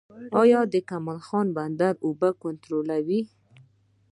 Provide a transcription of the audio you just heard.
آیا د کمال خان بند اوبه کنټرولوي؟